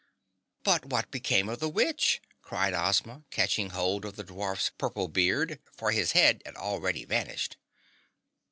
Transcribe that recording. "But what became of the witch?" cried Ozma catching hold of the dwarf's purple beard, for his head had already vanished.